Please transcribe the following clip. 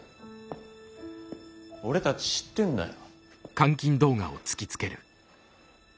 俺たち知ってんだよ。